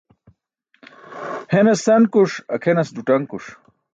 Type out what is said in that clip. Henas sankuṣ, akʰenas ḍuṭaṅkuṣ.